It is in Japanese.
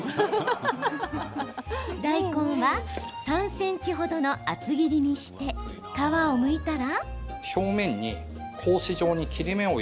大根は、３ｃｍ程の厚切りにして皮をむいたら。